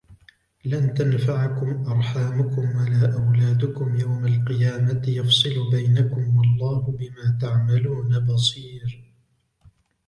لَنْ تَنْفَعَكُمْ أَرْحَامُكُمْ وَلَا أَوْلَادُكُمْ يَوْمَ الْقِيَامَةِ يَفْصِلُ بَيْنَكُمْ وَاللَّهُ بِمَا تَعْمَلُونَ بَصِيرٌ